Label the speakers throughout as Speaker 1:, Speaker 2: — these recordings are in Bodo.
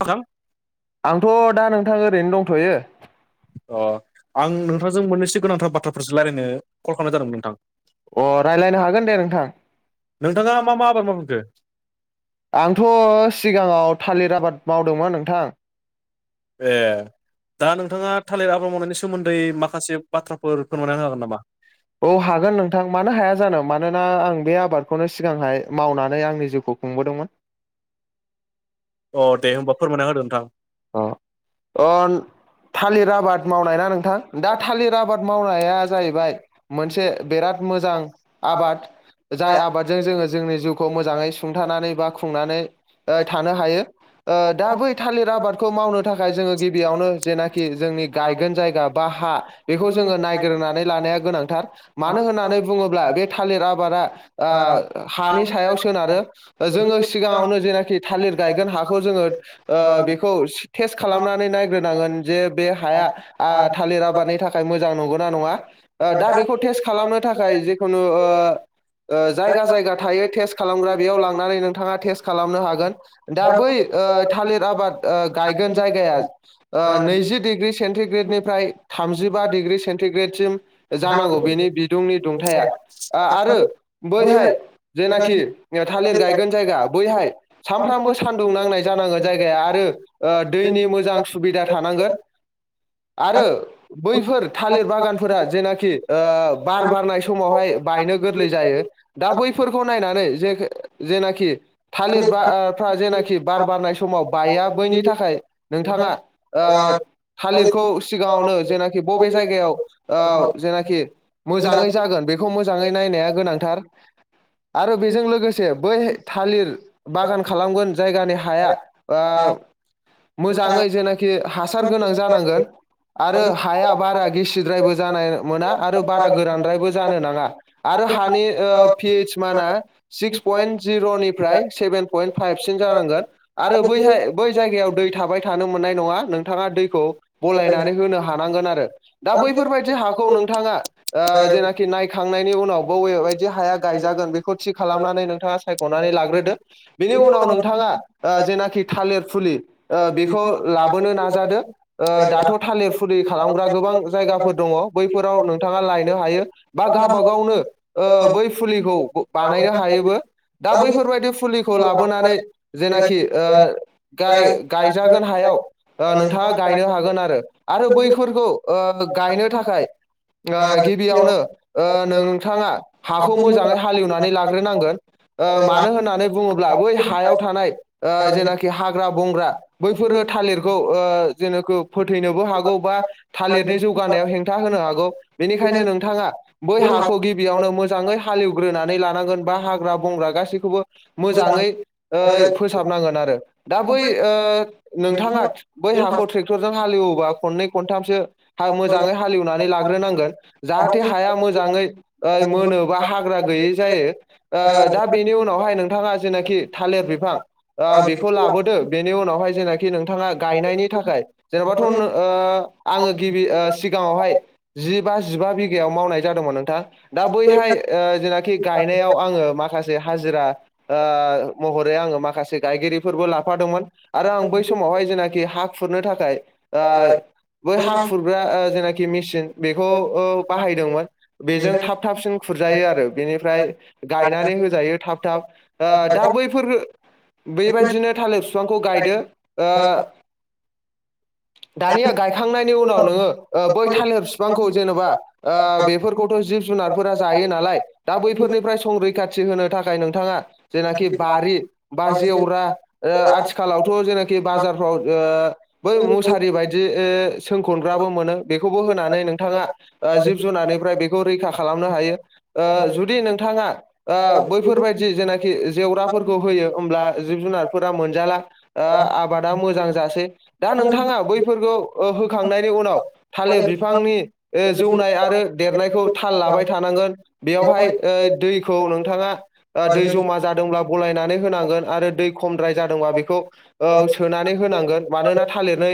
Speaker 1: नोंथां
Speaker 2: आंथ दा नोंथां ओरैनो दंथ'यो
Speaker 1: अ आं नोंथांजों मोननैसो गोनांथार बाथ्राफोरसो रायज्लायनो कल खालामनाय जादोंमोन नोंथां
Speaker 2: अ रायजलायनो हागोन दे नोंथां
Speaker 1: नोंथाङा मा मा आबाद मावफैखो
Speaker 2: आंथ सिगाङाव थालिर आबाद मावदोंमोन नोंथां
Speaker 1: ए दा नोंथाङा थालिर आब्र मावनायनि सोमोन्दै माखासे बाथ्राफोर फोरमायनानै हागोन नामा
Speaker 2: औ हागोन नोंथां मानो हाया जानो मा मानोना आं बे आबादखौनो सिगांहाय मावनानै आंनि जिउखौ खुंबोदोंमोन
Speaker 1: अ दे होमबा फोरमायना होदो नोंथां
Speaker 2: अ अ थालिर आबाद मावनाय ना नोंथां दा थालिर आबाद मावनाया जाहैबाय मोनसे बिराद बिराद मोजां आबाद जाय आबादजों जोंङो जोंनि जिउखौ मोजांङै सुंथानानै बा खुंनानै थानो हायो ओ दा बै थालिर आबादखौ मावनो थाखाय जोंङो गिबियावनो जे जोंनि गायगोन जायगा बा हा बेखौ जोंङो नायग्रनानै लानाया गोनांथार मानो होननानै नानै बुंङोब्ला बे थालिर आबादा ओ हानि सायाव सोनारो जो‌ सिगाङावनो ज थालिर गग हा ज खालामनानैनायग्रो नांगोन बे हाया थालिर आबादनि थाखाय मोजां नंगौना नङा दा बेखौ टेस्ट खालामनो थाखाय जेखुनु ओ ओ जायगा जायगा थायो टेस्ट खालामग्रा बेयाव लांनानै नोंथाङा टेस्ट खालामनो हागोन दा बै ओ थालिर आबाद ओ गायगोन जायगाया जि डिग्रि सेन्टिग्रेदनिफ्राय थामजिबा डिग्रि सेन्टिग्रेड सिम जानांगौ बेनि बिदुंनि
Speaker 1: [unintelligible]
Speaker 2: ओ आरो बैहाय जेनाखि थालिर गायगोन जायगा बैहाय सानफ्राम साथफ्रामबो सान्दुं नांनाय जानांगोन जायगाया आरो ओ दैनि मोजां सुबिदा थानांगोन आरो बैफोर थालिर बागानफोरा जेनाखि ओ बार बारनाय समावहाय बायनाय गोरलै जायो दा बैफोरखौ नायनानै जे जेनाखि थालिर बा ओ जे जेखि बार बारनाय समाव बाया बैनि थाखाय नोंथाङा ओ थालिरखौ सिगांङावनो जेनाखि बबे जायगायाव ओ जेनाखि मोजांङै जागोन बेखौ मोजांङै नाय नाया गोनांथार आरो बेजों लोगोसे बै थालिर बागान खालामगोन जायगानि हाया ओ मोजांङै जेनाखि हासार गोनां जानांगोन आरो हाया बारा गिसिद्रायबो जानाय मोना आरो बारा गोरानद्रायबो जानो नांङा आरो ओ हानि ओ पिस मआ सिक्स पइन्ट जिर'निफ्राय सेभेन पइन्ट फाइभ सिन जानानै गोन आरो बैहा बै जायगायाव दै थाबाय थानो मोननाय नंङा नोंथाङा दैखौ बलायनानै होनो हानांगोन आरो दा बैफोरबायदि हाखौ नोंथाङा ओ ओ जेनाखि नायखांनायनि उनाव बबेबायदि हाया गायजागोन बेखौ थि खालामनानै नोंथाङा सायखनानै ला ग्रोदो बेनि उनाव नोंथाङा ओ जेनाखि थालिर फुलि ओ बेखौ लाबोनो नाजादो ओ दाथ‌थालिर फुलि खालामग्रा गोबां जायगाफोर दंङ दंङ बैफोराव नोंथाङा लायनो हायो बा गावब गावनो ओ बै फुलिखौ बानाय हायोबो दा बैफोरबायाददि फुलिखौ लाबोनानै जेनाखि ओ गाय गायजागोन हायाव ओ नोंथाङा गायनो हागोन आरो आरो बैफोरखौ ओ गायनो थाखाय खाय ओ गिबियावनो ओ नोंथाङा हाखौ मोजांङै हालेवनानै लाग्रोनांगोन ओ मानो होननानै बुंङोब्ला बै हायाव थानाय ओ जेनाखि हाग्रा बंग्रा बैफोरो थालिरखौ ओ जेनेखो फोथैनोबो हागौ बा थालिरनि जौगानाय याव हेंथा होनो हागौ बेनिखायनो नोंथाङा बै हाखौ गिबियावनो मोजांङै हालेवग्रोनानै लानो नांगोन बा हाग्रा बंग्रा गासैखौबो मोजांङै ओ फोसाबनांगोन आरो दा बै ओ नोंथाङा बै हाखौ ट्रेक्टरजों हालेवोबा खननै खनथामसो हा मोजांङै हालेवनानै लाग्रोनांगोन जाहाथे हा मोजांङै ओ मोनोबा हाग्रा गैैयै जायो ओ दा बेनि उनावहाय नोंथाङा जेनाखि थालिर बिफां ओ बेखौ लाबोदो बे नि उनावहाय जेनाखि नोंथाङा गायनायनि थाखाय जेन'बाथ' नो ओ आङो गिबि ओ सिगां बावहाय जिबा जिबा बिघायाव मावनाय जादोंमोन नोंथा दा बैहाय ओ जेनाखि गायनाय आव आङो माखासे हाजिरा ओ महरै आङो माखासे गायगिरिफोरबो लाफादोंमोन आरो आं बै समावहाय जेनाखि हा खुरनो थाखाय ओ बै हा खुरग्रा ओ जेनाखि मेसिन बेखौ ओ बाहायदोंमोन बेजों थाब थाबसिन खुरजायो आरो बेनिफ्राय गायनानै होजायो थाब थाब ओ दा बैफोर बेबायदिनो थालिर फिफांखौ गायदो ओ दानिया गायखांनायनि उनाव नोङो ओ बै थालिर फिफांखौ जेनेबा ओ बे बेफोरखौथ' जिब जुनारफोरा जायो नालाय दा बैफोरनिफ्राय संरैखाथि होनो थाखाय नोंथाङा जेना खि बारि बा जेवरा ओ आथिखालावथ' जेनाखि बाजारफ्राव ओ बै मुसारि बायदि ए सोंखनग्राबो मोनो बेखौबो होनानै नोंथाङा ओ जिब जुनारनिफ्राय बेखौ रैखा खालामनो हा हायो ओ जुदि नोंथाङा ओ बैफोरबायदि जेनाखि जेवराफोरखौ होयो होमब्ला जिब जुनार फोरा मोनजाला ओ आबादा मोजां जासै दा नोंथाङा बैफोरखौ ओ होखांनायनि उनाव थालिर बिफांनि ओ जौनाय आरो देरनायखौ थाल लाबाय थानांगोन बेयावहाय ओ दैखौ नोंथाङा ओ दै जमा जादोंब्ला बलायनानै होनांगोन आरो दै खमद्राय जादोंबा बेखौ ओ सोनानै होनांगोन मानोना थालिरनो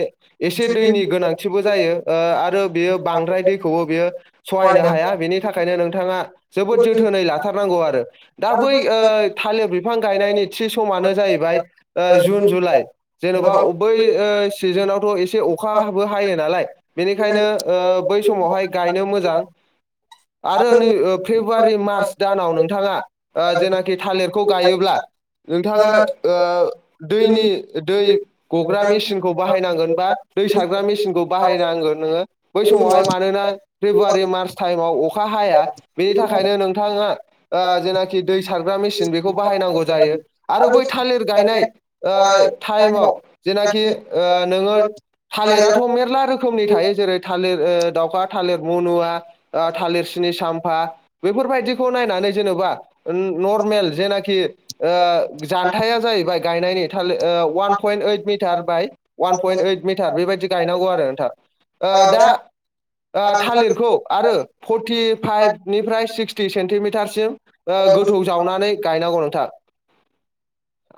Speaker 2: एसे दैनि गोनांथिबो जायो ओ आरो बेयो बांद्राय दैखौबो बेयो सहायनो हाया बेनि थाखायनो नोंथाङा जोबोद जोथोनै लाथारनांगौ आरो। दा बै ओ थालिर बिफां गायनायनि थि समानो जायैबाय ओ जुन जुलाइ जेन'बा अ बै ओ सिजोनावथ' एसे अखाबो हायो नालाय बेनिखायनो ओ बै समावहाय गायनो मोजां आरो नै ओ फेब्रुवारि मार्च दानाव नोंथाङा ओ जेनाखि थालिरखौ गायोब्ला नोंथाङा ओ दैनि दै गग्रा मेसिनखौ बाहाय नांगोन बा दै सारग्रा मेसिनखौ बाहायनांगोन नोङो। बै समावहाय मानोना फेब्रुवारि, मार्च टाइमाव अ खा हाया बेनि थाखायनो नोंथाङा ओ जेनाखि दै सारग्रा मेसिन बेखौ बाहायनांगौ जायो आरो बै थालिर गायनाय ओ टाइमाव जेनाखि ओ नोङो थालिराथ' मेरला रोखोमनि थायो जेरै थालिर ओ दावखा थालिर मुनुवा ओ थालिर सिनि चाम्फा बेफोरबाय दिखौ नायनानै जेनोबा ओ नर्मेल जेनाखि ओ जानथाइआ जाहैबाय गायनायनि थालिर ओ वान पयन्ट ओइट मिटार बाइ वान पयन्ट ओइट मिटार बेबायादि गायनांगौ आरो नोंथा ओ दा ओ थालिरखौ आरो फर्टिफाइभनिफ्राय सिक्सटि सेन्टिमिटारसिम ओ गोथौ जावनानै गायनांगौ नोंथा।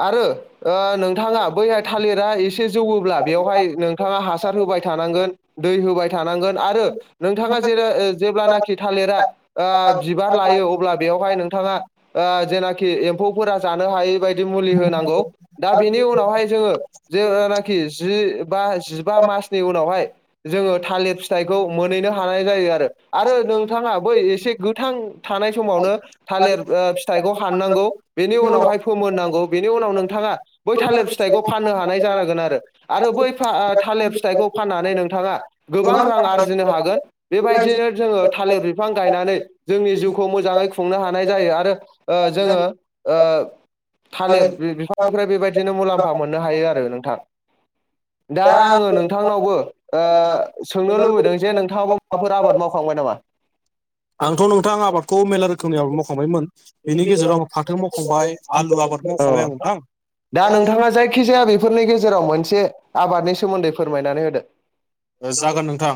Speaker 2: आरो ओ नोंथाङा बैहाय थालिरा इ से जौवब्ला बेयावहाय नोंथाङा हासार होबाय थानांगोन दै होबाय थानांगोन आरो नोंथाङा जेर-जेब्लानाखि थालिरा ओ बिबार लायो अ ब्ला बेयावहाय नोंथाङा ओ जेनाखि एम्फौफोरा जानो हायै बाय दि मुलि होनांगौ, दा बेनि उनावहाय जोङो जेब्लानाखि जि बा जिबा मा मासनि उनावहाय जोङो थालिर फिथाइखौ मोनहैनो हानाय जायो आरो आरो नोंथाङा बै एसे गोथां थानाय समावनो थालिर ओ फिथाइखौ हान्नांगौ बेनि उनावहाय फोमोननां गौ बेनि उनाव नोंथाङा बै थालिर फिथाइखौ फान्नो हानाय जानांगोन आरो, आरो बैफ्रा आ थालिर फिथाइ खौ फान्नानै नोंथाङा गोबां रां आरजिनो हागोन बेबायदिनो जोङो थालिर बिफां गायनानै जोंनि जिउखौ मोजाङै खुंनो हानाय जायो आरो ओ जोङो ओ थालिर बिफांनिफ्राय बेबायदिनो मुलाम् फा मोननो हायो आरो नोंथां। दा आङो नोंथांनावबो ओ सोंनो लुबैदों जे नोंथाङाबो माबाफोर आबाद मावखांबाय नामा?
Speaker 1: आंथ' नोंथां आबादखौ मेरला रोखोमनि आबाद मावखांबायमोन बिनि गेजेराव आं फाथो मावखांबाय। आलु आबाद मावखांबाय आं नोंथां
Speaker 2: दा नोंथाङा जायखि। जखि जाया बेफोरनि गेजेराव मोनसे आबादनि सोमोन्दै फोरमायनानै होदो।
Speaker 1: जागोन नोंथां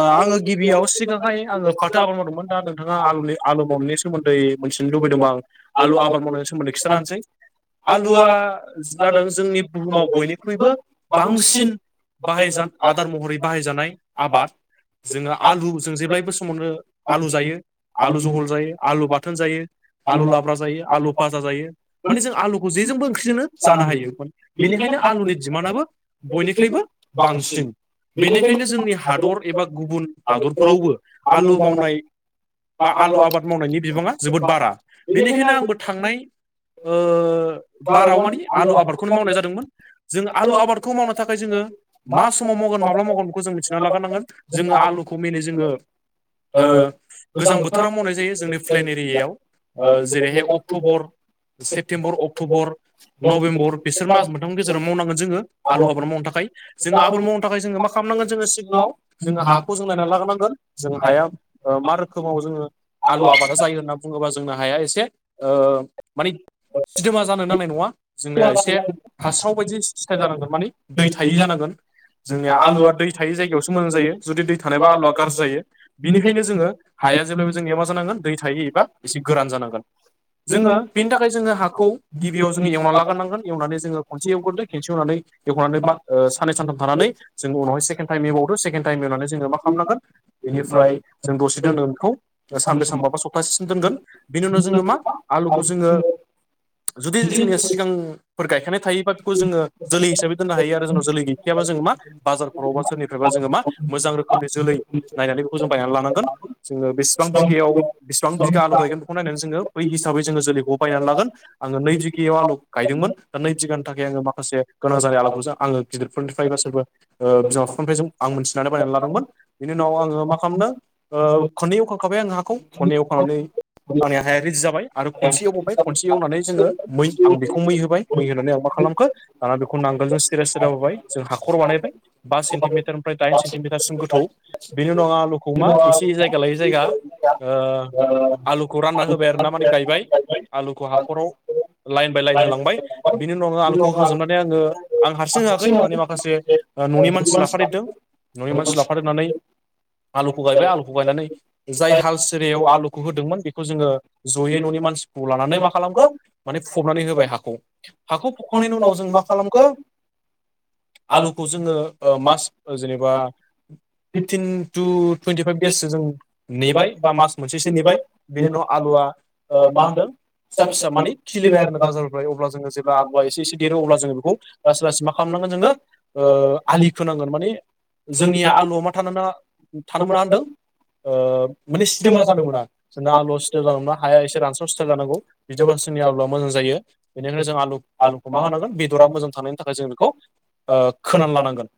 Speaker 1: आङो गिबियाव सिगांहाय आङो फाथो आबाद मावदोंमोन दा नोंथाङा। आलुनि आलु मावनायनि सोमोन्दै मिथिनो लुबैदोंमोन आं आलु आबाद मावनायनि सोमोन्दै खिथानोसै। आलुआ जादों जोंनि बुहुमाव बयनिख्रुइबो बांसिन। बाहायज आदार महरै बाहायजानाय आबाद। जोङो आलु जों जेब्लायबो समावनो आलु जायो आलु जहल जायो आलु बाथोन जायो। आलु लाफ्रा जायो आलु भाजा माने जों आलुखौ जेजोंबो ओंख्रि जोंनो जानो हायो बेनिखायनो आलुनि दिमानाबो बयनिख्रुइबो बांसिन। बेनिखायनो जोंनि हादर एबा गुबुन हादरफोरावबो आलु मावनाय। बा आलु आबाद मावनायनि बिबाङा जोबोद बारा बेनिखायनो आंबो थांनाय ओ। बाराव माने आलु आबादखौनो मावनाय जादोंमोन जों आलु आबादखौ मावनो थाखाय जों ओ मास। समाव मावगोन माब्ला मावगोन बेखौ जों मिथिना लागारनांगोन जोङो आलुखौ मेने जोङो। ओ गोजां बोथोराव मावनाय जायो जोंनि प्लेन एरियायाव। ओ जेरैहाय अक्ट'बर। सेप्तेम्बर, अक्ट'बर, नभेम्बर बेसोर मास मोनथामनि गेजेराव मावनांगोन जोङो आलु आबाद मावनो थाखाय। जों। मावनो थाखाय जोङो मा खालामनांगोन जोङो सिगाङाव जोङो हाखौ जों नायनानै लाग्रोनांगोन जों हाया मा रोखोम। खोमाव जोङो आलु आबादा जायो होनना बुङोबा जोंनो हाया एसे माने सिदोमा जानो नांनाय नङा जोंनिया एसे हास्राव बायदि सिथा जानांगोन माने दै थायि जानांगोन। जोंनिया आलुवा दै थायै जायगायावसो मोजां जायो जुदि दै थानायबा आलुवा गाज्रि जायो बिनिखायनो जोङो हाया जेब्लाायबो जोंनिया मा जानांगोन दै थायै एबा एसे गोरान जानांगोन। जोङो बेनि थाखाय जोङो हाखौ गिबियाव जोङो एवनानै लाग्रनांगोन एवनानै जोङो खनसे एवग्रोदो खनसे एवनानै दखनानै मा सा थानानै जों उनावहाय सेकेण्ड टाइमबावदो सेकेण्ड टाइम नेनानै जोङो मा खालामनांगोन बेनिफ्राय जों दसे दोनथ' ना बेखौ सानब्रै सानबा बा सप्तासेसिम दोनगोन बिनि उनाव जोङो मा आलुखौ जोङो जुदि जोंनिया सिगांफोर गायखानाय थायोबा बेखौ जोङो जोलै हिसाबै दोननो हायो आरो जोंनाव जोलैनि जों मा बाजारफोरावबा सोरनिफ्रायबा जोङो मा मोजां रोखोमनि जोलै नायनानै बेखौ जों बायनानै लानांगोन जोङो बेसेबां बिगायाव बेसेबां बिगा आलौ गायगोन बेखौ नायनानै जोङो बै हिसाबै जोङो जोलैखौबो बायनानै लागोन आङो नै बिगायाव आलु गायदोंमोन दा नै बिगानि थाखाय आङो माखासे गोनां जानाय आलुखौसो आङो गिदिर फोरफोरनिफ्राय बा सोरबा बिमा बिफफोरानिफ्राय जों आं मोनथिनानै बायनानै लादोंमोन बेनि उनाव आङो मा खालामदों ओ खननै एवखांखाबाय आं हाखौ खननै एवखांनानै आंनि हाया रेडि जाबाय आरो खनसे एवबावबाय खनसे एवनानै जोङो मै आं बेखौ मै होबाय मै होनानै आं मा खा लामखो दाना बेखौ नांगोलजों सिरि सिरा बोबाय। जों हाखर बानायबाय बा सेन्टिमिटारनिफ्राय दाइन सेन्टिमिटारसिम गोथौ बेनि उनाव आं आलुखौ मा एसे। जायगा लायै जायगा आलुखौ रानना होबाय आर ना माने गायबाय आलुखौ हाखराव लाइन बाय लाइन होलांबाय बिनि उनावनो आलुखौ होखांजोबनानै आङो आं हारसिं होआखै। माने माखासे न'नि मानसि लाफादेरदों न'नि मानसि लाफादेरनानै आलुखौ गायबाय आलुखौ गायनानै जा य हाल सिरायाव आलुखौ होदोंमोन बेखौ जोङो ज'यै न'नि मानसिखौ लानानै मा खालामखो माने फब नानै होबाय हाखौ हाखौ फबखांनायनि उनाव जों मा खालामखो आलुखौ जोङो मास जेनेबा फिफटिन टु टुइन्टिफाइभ देससो जों नेबाय बा मास मोनसेसो नेबाय बेनि उनाव आलुवा मा होन्दों? फिसा फिसा माने खिलिबाय आरो ना गारजानिफ्राय अब्ला जोङो जेब्ला आलुवा एसे एसे देरो अब्ला जोङो बेखौ लासै लासै मा खा लामनांगोन जोङो आलि खोनांगोन माने जोंनिया आलुवाव मा थानो नाङा थानो मोना होनदों? ओ माने सिदोमा जानो मोना जोंना आलुवा सिदोमा जानो मोना हाया एसे रानस्राव सिथाइल जानांगौ बिदिबा जोंनि आलुवा मोजां जायो बेनिखायनो जों आलु आलुखौ मा होनांगोन बेदरा मोजां थानायनि थाखाय जों बेखौ ओ खोना लानांगोन,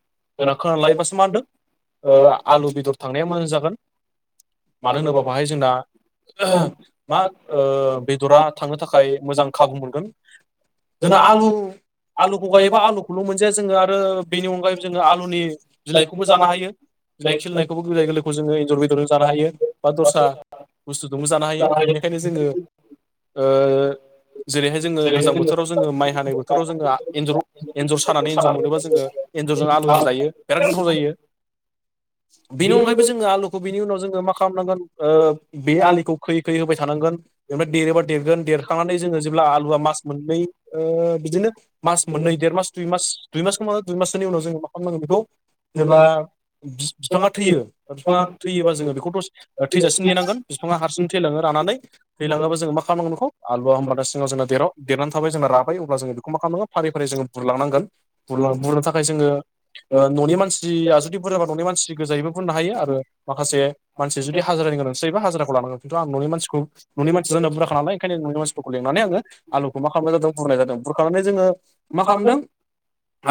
Speaker 1: जोंना खोना लायोबासो मा होनदों आलु बेदर थांनाया मोजां जागोन। मानो होनोबा बाहाय जोंना मा ओ बेदरा थांनो थाखाय मोजां खाबु मोनगोन। जोंना आलु आलुखौ गायोबा आलु खौल' मोनजाया जोङो आरो बेनि अनगायैबो जोङो आलुनि बिलाइखौबो जानो हायो। बिलाइ खिलिनायखौबो बिलाइ गोरलैखौ जोङो एन्जर जों जनो हायो बा दस्रा बुस्थुजोंबो जानो हायो बेनिखायनो जोङो ओ जेरैहाय जोङो गोजां बोथोराव जोङो माइ हानाय बोथोराव जोङो एन्जर एन्जर सानानै एन्जर मोनोबा जोङो एन्जरजों आलुजों जायो बिराद गोथाव जायो। बेनि अनगायैबो जोङो आलुखौ बिनि उनाव जोङो मा खालामनांगोन ओ बे आलिखौ खैयै खैयै होबाय थानांगोन बेनिफ्राय देरोबा देरगोन देरखांनानै जोङो जेब्ला आलुवा मास मोननै ओ बिदिनो मास मोननै देर मास दुइ मास दुइ मास दुइ माससोनि उनाव जोङो मा खालामनांगोन बेखौ जेब्ला बिफाङा थैयो बिफाङा थैयोबा जोङो बेखौ द' थैजासिम नेनांगोन। बिफाङा हारसिं थैलाङो थैलांनानै थैलाङोबो जोङो मा खालामनांगोन बेखौ आलुवा होनबा दा सिङाव जोंना देराव देरना थाबाय जेब्ला राबाय अब्ला जोङो बेखौ मा खालाम नांगोन फारि फारि जोङो बुरलांनांगोन बुरलां बुरनो थाखाय जोङो न'नि मानसिया जुदि बुरजाबा न'नि मानसि गोजायैबो बुरनो हायो आरो माखासे मानसि जुदि हा जिरानि गोनांथि जायोबा हाजिराखौ लानांगोन। खिनथु आं न'नि मानसिखौ न'नि मानसिया जोंना बुरजाखा नालाय ओंखायनो ननि मानसिखौ लिंनानै आङो आलुखौ मा खामनाय जादों बुरनाय जादों बुरखांनानै जोङो मा खालामदों?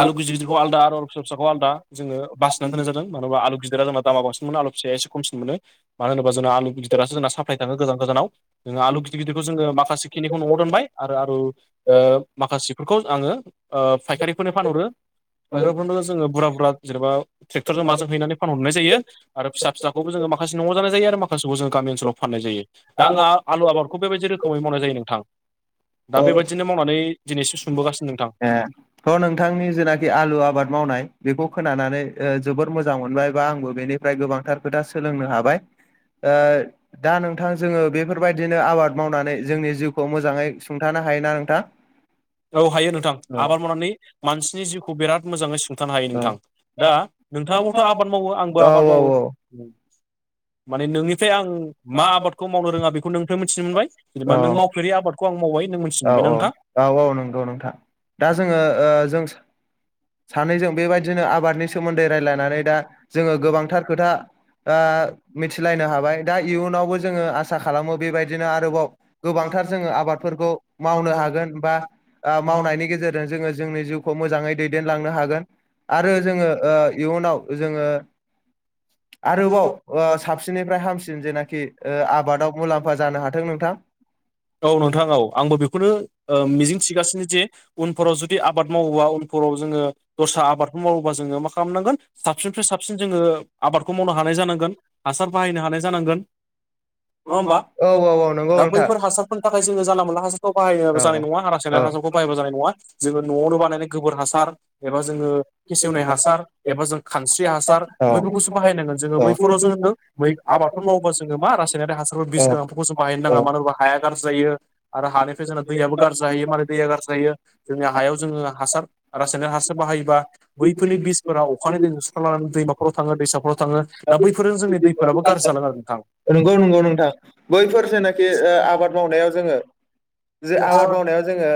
Speaker 1: आलु गिदिर गिदिरखौ आलदा आरो फिसा फिसाखौ आलदा जोङो बासिनानै दोननाय जादों। मानो होनबा आलु गिदिरा जोंनि दामा बांसिन आलु फिसाया एसे खमसिन मोनो मानो होनबा जोंना आलु गिदिरासो जोंना साफ्लाय थाङो गोजान गोजानाव जोङो आलु गिदिर गिदिरखौ जोङो माखासे खिनिखौ न'आव दोनबाय आरो-आरो ओ माखासेफोरखौ आङो ओ फायखारिफोरनो फानहरो। फाइखारिफोरनोबो जोङो बुरजा बुरजा जेनबा ट्रेक्टरजों माजों हैनानै फानहरनाय जायो आरो फिसा फिसाखौबो जोङो माखासे नआव जानाय जायो आरो मासेखौ जों गामि ओनसोलाव फाननाय जायो। दा आंहा आलु आबादखौ बेबायदि रोखोमै मावनाय जायो नोंथां। दा बेबायदिनो मावनानै दिनै एसे सुंबोगासिनो नोंथां।
Speaker 2: ए थ' नोंथांनि जेनाखि आलु आबाद मावनाय बेखौ खोनानानै ओ जोबोर मोजां मोनबाय बा आंबो बेनिफ्राय गोबांथार खोथा सोलोंनो हाबाय। ओ दा नोंथां जोङो बेफोरबायदिनो आबाद मावनानै जोंनि जिउखौ मोजाङै सुंथाना हायोना नोंथां?
Speaker 1: औ हायो नोंथां
Speaker 2: औ
Speaker 1: आबाद मावनानै मानसिनि जिउखौ बिराद मोजाङै सुं थानो हायो
Speaker 2: औ
Speaker 1: नोंथां दा नोंथाङाबोथ' आबाद मावो आंबो
Speaker 2: औ
Speaker 1: आबाद मावो। माने नोंनिफ्राय आं मा आबादखौ मावनो रोङा बेखौ नोंनिफ्राय मिथिनो मोनबाय जेनेबा नों मावफेरि आबादखौ आं मावबाय नों मोनथिनो
Speaker 2: औ
Speaker 1: मोनबायना नोंथां?
Speaker 2: औ नंगौ औ नोंथां। दा जोङो ओ जों सानैजों बेबायदिनो आबादनि सोमोन्दै रायजलायनानै दा जोङो गोबांथार खोथा ओ मिथिलायनो हाबाय दा इयुनावबो जोङो आसा खालामो बेबायदिनो आरोबाव गोबां थार जोङो आबादफोरखौ मावनो हागोन बा ओ मावनायनि गेजेरजों जोङो जोंनि जिउ खौ मोजाङै दैदेनलांनो हागोन आरो जोङो ओ इयुनाव जोङो आरोबाव ओ साबसिननिफ्राय हामसिन जेनाखि ओ आबादाव मुलाम्फा जानो हाथों नोंथां।
Speaker 1: औ नोंथां औ आंबो बेखौनो ओ मिजिं थगासिनो जे उनफोराव जुदि आबाद मावोबा उनफोराव जोङो दस्रा आबादखौ मावोबा जोङो मा खालामनांगोन साबसिननिफ्राय साब साबसिन जोङो आबादखौ मावनो हानाय जानांगोन हासार बाहायनो हानाय जानांगोन नङा होमबा औ
Speaker 2: नंगौ
Speaker 1: दा
Speaker 2: नोंथां औ
Speaker 1: बैफोर हासार नाथाय जोङो जानला मोनला हासारखौ
Speaker 2: औ
Speaker 1: बाहायबाबो जानाय नङा आरो रासायनारि हासारखौ बाहायबा जानाय नङा जोङो न'आवनो बानायनाय गोबोर हासार एबा जोङो फेसेवनाय हासार एबा जों खानस्रि हासार बैफोरखौसो बाहायनांगोन जोङो
Speaker 2: औ
Speaker 1: बैफोर खौ जोङो होनदों मै आबादखौ मावबा जोङो मा रासायनारि हासारफोर बिसोनां फोरखौ बाहायनो नाङा मानो होनबा हाया गाज्रि जायो आरो हानिफ्राय जोंना दैयाबो गाज्रि जायो मानो दैया गाज्रि जायो जोंनि हायाव जोङो हासार रासायनिक हासार बाहायोबा बैफोरनि बिसफोरा अखानि दैजों सुस्रालांनानै दैमाफोराव थाङो दैसाफोराव थाङो दा बैफोरजों जोंनि दैफोराबो गाज्रि जालाङो आरो नोंथां
Speaker 2: नंगौ नंगौ नोंथां बैफोर जेनाखि आबाद मावनायाव जोङो जे आबाद मावनायाव जोङो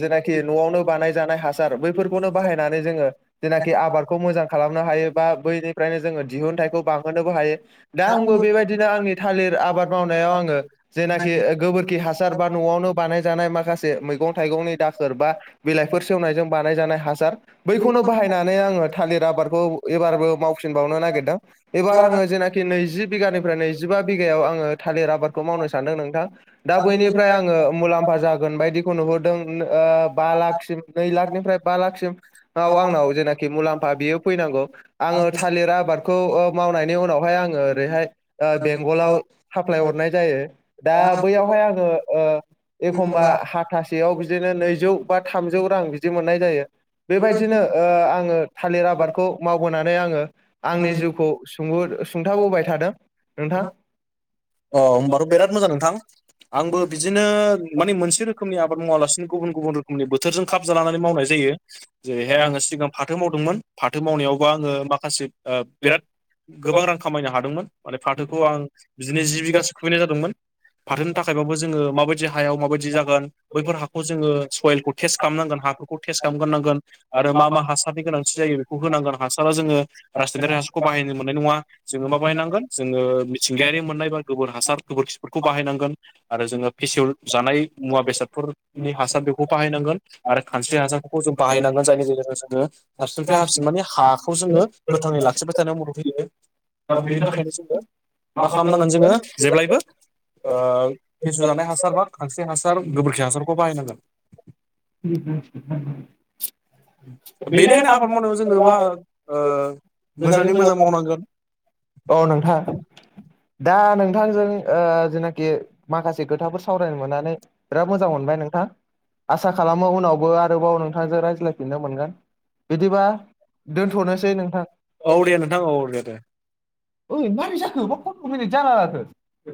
Speaker 2: जेनाखि न'आवनो बानाय जानाय हासार बैफोरखौनो बाहायनानै जोङो जेनाखि आबादखौ मोजां खालामनो हायो बा बैनिफ्रायनो जोङो दिहुनथाइखौ बांहोनोबो हायो दा आंबो बेबायदिनो आंनि थालिर आबाद मावनायाव आङो जेनाखि गोबोरखि हासार बा न'आवनो बानाय जानाय माखासे मैगं थाइगंनि दाखोर बा बिलाइफोर सेवनायजों बानाय जानाय हासार बैखौनो बाहायनानै आङो थालिर आबादखौ एबारबो मावफिनबावनो नायगिरदों एबार आङो जेनाखि नैजि बिगानिफ्राय नैजिबा बिगायाव आङो थालिर आबादखौ मावनो सानदों नोंथां दा बैनिफ्राय आङो मुलाम- फा जागोन बायदिखौ नुहरदों ओ बा लाखसिम नै लाखनिफ्राय बा लाखसिमाव आंनाव जेनाखि मुलाम्फा बेयो फैनांगौ आङो थालिर आबादखौ मावनायनि उनावहाय आङो ओरैहाय ओ बेंगलाव साप्लााय हरनाय जायो दा बैयावहाय आङो ओ एखमबा हाथासेयाव बिदिनो नैजौ बा थामजौ रां बिदि मोननाय जायो बेबायदिनो ओ आं आङो थालिर आबादखौ मावबोनानै आङो आंनि जिउखौ सुङो सुंथाबोबाय थादों नोंथां
Speaker 1: औ होनबाथ' बिराद मोजां नोंथां आंबो बिदिनो माने मोनसे रोखोमनि आबाद मावालासिनो गुबुन गुबुन रोखोमनि बोथोरजों खाब जालानानै मावनाय जायो ओ जेरैहाय आङो सिगां फाथो मावदोंमोन फाथो मावनायावबा आङो माखासे ओ बिराद गोबां रां खामायनो हादोंमोन माने फाथोखौ आं बिदिनो जि बिघासो खुखैनाय जादोंमोन फाथोनो थाखायबाबो जोङो माबायदि हायाव माबायदि जागोन बैफोर हाखौ जोङो सवेलह टेस्ट खालामनांगोन हाफोरखौ टेस्ट खालामगोरनांगोन आरो मा मा हासारनि गोनांथि जायो बेखौ होनांगोन हासारा जोङो राजासान्नारि हासारखौ बाहायनो मोननाय नङा जोङो मा बाहायनांगोन जोङो मिथिंगायारि मोननाय एबा गोबोर हासार गोबोरखिफोरखौ बाहायनांगोन आरो जोङो फिसेव जानाय मुवा बेसादफोरनि हासार बेखौ बाहायनांगोन आरो खानस्रि हासारफोरखौ जों बाहायनानांगोन जायनि गेजेरजों जोङो साबसिननिफ्राय हाबसिन माने हाखौ जोङो गोथाङै लाखिबाय थानायाव मदद होयो दा बेनि थाखायनो जोङो मा खालामनांगोन जोङो जेब्लायबो ओ फेसेवजानाय हासार बा खांस्रि हासार गोबोरखि हासारखौ बाहाय नांगोन
Speaker 2: [unintelligible]
Speaker 1: बेनिखायनो आबाद मावनायाव जोङो मा ओ मोजाङै मोजां मावनांगोन
Speaker 2: औ नोंथां दा नोंथांजों ओ जेनाखि माखासे खोथाफोर सावरायनो मोननानै बिराद मोजां मोनबाय नोंथां आसा खालामो उनावबो आरोबाव नोंथांजों रायज्लायफिननो मोनगोन बिदिबा दोन्थ'नोसै नोंथां औ दे
Speaker 1: नोंथां औ दे दे
Speaker 2: ओइ मारै जाखो [unintelligible]